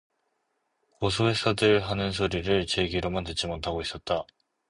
고소해서들 하는 소리를 제 귀로만 듣지 못하고 있었다.